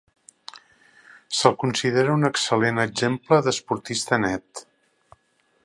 Se'l considera un excel·lent exemple d'esportista net.